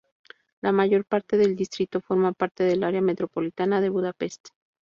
La mayor parte del distrito forma parte del área metropolitana de Budapest.